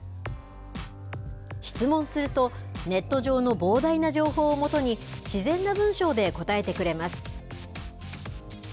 質問するとネット上の膨大な情報を基に自然な文章で答えてくれます。